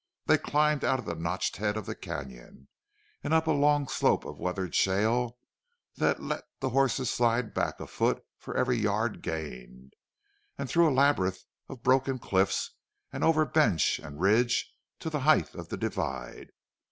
They climbed out of the notched head of the canon, and up a long slope of weathered shale that let the horses slide back a foot for every yard gained, and through a labyrinth of broken cliffs, and over bench and ridge to the height of the divide.